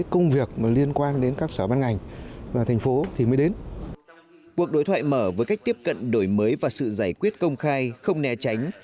cuộc đối thoại mở với cách tiếp cận đổi mới và sự giải quyết công khai không né tránh